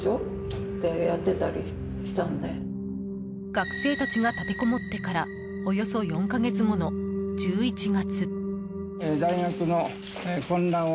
学生たちが立てこもってからおよそ４か月後の１１月。